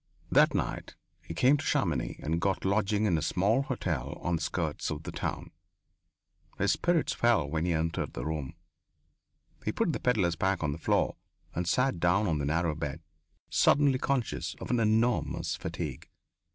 That night he came to Chamonix and got lodging in a small hotel on the skirts of the town. His spirits fell when he entered the room. He put his pedlar's pack on the floor and sat down on the narrow bed, suddenly conscious of an enormous fatigue.